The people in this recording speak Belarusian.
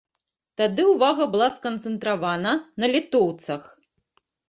Тады ўвага была сканцэнтравана на літоўцах.